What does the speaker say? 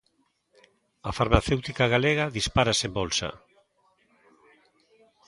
A farmacéutica galega dispárase en bolsa.